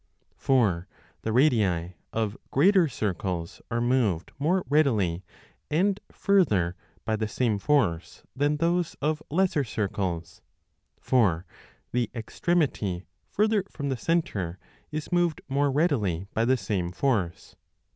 For the radii of greater circles are moved more 15 readily and further by the same force than those of lesser circles ; for the extremity further from the centre is moved more readily by the same force.